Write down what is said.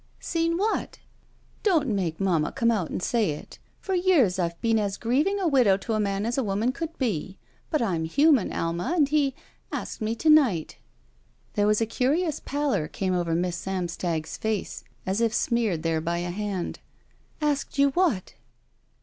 "Seen what?" "Don't make mamma come out and say it. For eight years I've been as grieving a widow to a man as a woman could be. But I'm human. Alma, and he — asked me to night." There was a curious pallor came over Miss Sam stag's face, as if smeared there by a hand. "Asked you what?"